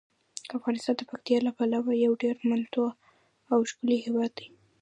افغانستان د پکتیکا له پلوه یو ډیر متنوع او ښکلی هیواد دی.